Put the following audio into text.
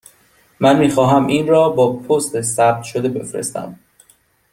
من می خواهم این را با پست ثبت شده بفرستم.